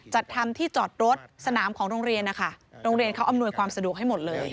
จัดทำที่จอดรถสนามของโรงเรียนนะคะโรงเรียนเขาอำนวยความสะดวกให้หมดเลย